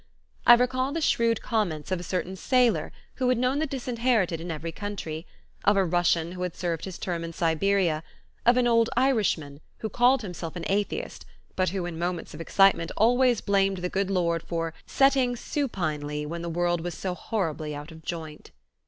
I recall the shrewd comments of a certain sailor who had known the disinherited in every country; of a Russian who had served his term in Siberia; of an old Irishman who called himself an atheist but who in moments of excitement always blamed the good Lord for "setting supinely" when the world was so horribly out of joint.